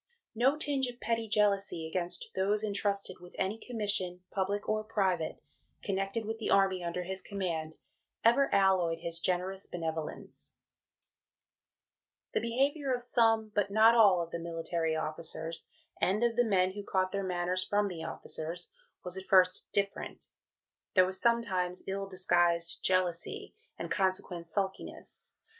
No tinge of petty jealousy against those entrusted with any commission, public or private, connected with the Army under his command, ever alloyed his generous benevolence." Statement to Subscribers, p. vii. The behaviour of some (but not all) of the military officers, and of the men who caught their manners from the officers, was at first different. There was sometimes ill disguised jealousy, and consequent sulkiness.